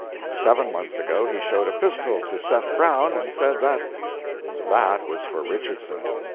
Seven months ago he showed a pistol to Seth Brown and said that that was for Richardson.